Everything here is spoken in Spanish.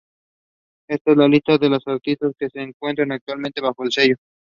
Esta es la lista de los artistas que se encuentran actualmente bajo el sello.